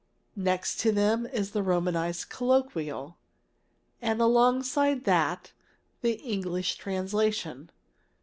Next to them is the Romanized Colloquial, and alongside of that the English translation.